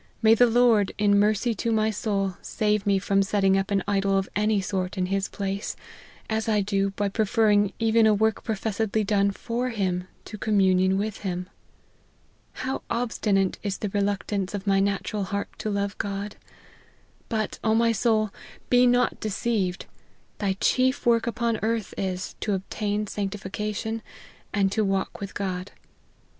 May the Lord, in mercy to my soul, save me from setting up an idol of any sort in his place ; as I do by preferring even a work professedly done for him, to communion with him. How obstinate is the reluctance of the natural heart to love God ! But, O my soul, be not deceived ; thy chief work upon earth is, to obtain sanctification, and to walk with God.